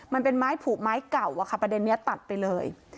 มันเป็นไม้ผูกไม้เก่าอะค่ะประเด็นนี้ตัดไปเลย